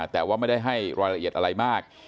แต่ว่าไม่ได้ให้รายละเอียดอะไรมาก